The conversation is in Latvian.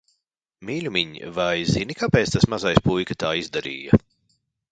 Mīļumiņ, vai zini, kāpēc tas mazais puika tā izdarīja?